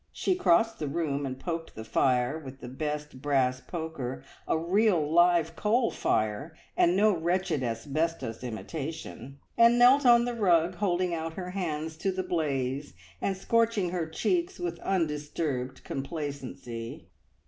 She crossed the room and poked the fire with the best brass poker, a real, live coal fire and no wretched asbestos imitation, and knelt on the rug holding out her hands to the blaze and scorching her cheeks with undisturbed complacency.